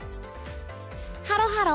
ハロハロ！